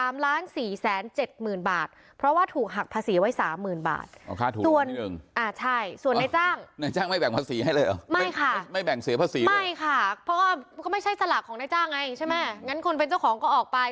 ไม่ค่ะเพราะว่าก็ไม่ใช่สลากของนายจ้างไงใช่ไหมงั้นคนเป็นเจ้าของก็ออกไป